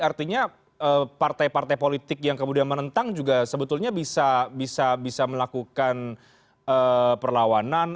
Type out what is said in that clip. artinya partai partai politik yang kemudian menentang juga sebetulnya bisa melakukan perlawanan